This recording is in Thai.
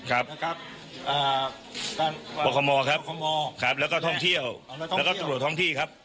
ครับนะครับปคมครับแล้วก็ท่องเที่ยวแล้วก็ตำรวจท้องที่ครับ